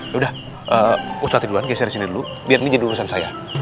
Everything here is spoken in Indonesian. yaudah ustadz ridwan geser disini dulu biar minjem urusan saya